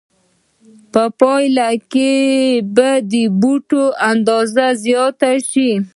په پایله کې به د بوټانو اندازه زیاته شي